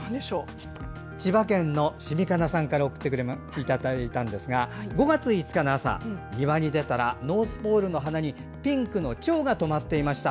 千葉県のシミかなさんからいただいたんですが５月５日の朝、庭に出たらノースポールの花にピンクのチョウがとまっていました。